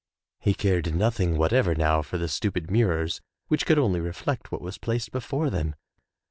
He cared noth ing whatever now for the stupid mirrors which could only reflect what was placed before them.